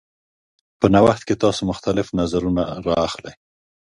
په نوښت کې تاسو مختلف نظرونه راخلئ.